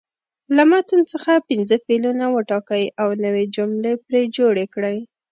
له متن څخه پنځه فعلونه وټاکئ او نوې جملې پرې جوړې کړئ.